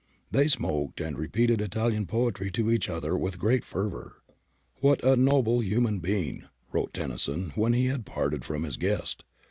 They smoked and repeated Italian poetry to each other with great fervour. 'What a noble human being!' wrote Tennyson when he had parted from his guest.